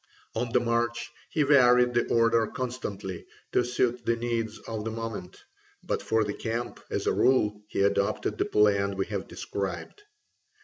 On the march he varied the order constantly to suit the needs of the moment, but for the camp, as a rule, he adopted the plan we have described.